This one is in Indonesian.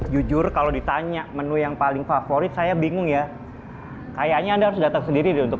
jujur kalau ditanya menu yang paling favorit saya bingung ya kayaknya ada sudah terkendali untuk